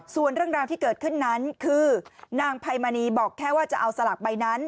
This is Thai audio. ส่วนเรื่องราวที่เกิดขึ้นนั้นคือนางไพมณีบอกแค่ว่าจะเอาสลากใบนั้น